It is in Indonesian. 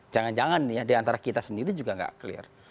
jangan jangan di antara kita sendiri juga tidak clear